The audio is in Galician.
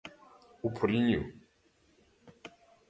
O Porriño.